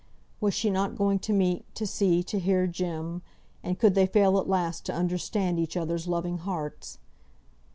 Was she not going to meet, to see, to hear Jem; and could they fail at last to understand each other's loving hearts!